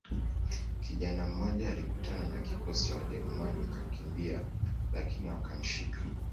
Kijana mmoja alikutana na kikosi cha wajerumani akakimbia lakini wakamshika